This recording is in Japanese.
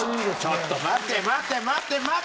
ちょっと待て待て待て待て！